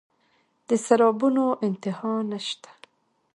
د سرابونو انتها نشته